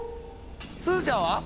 すずちゃんは？